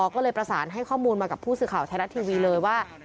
ก็เลยประสานให้ข้อมูลมากับผู้สื่อข่าวไทยรัฐทีวีเลยว่า